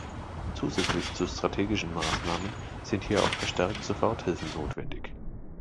Zusätzlich zu strategischen Maßnahmen sind hier auch verstärkt Soforthilfen notwendig.